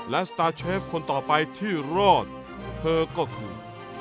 และสตาร์เชฟคนต่อไปที่รอดเธอก็คือ